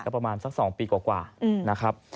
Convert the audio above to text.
ประมาณสัก๒ปีกว่านะครับ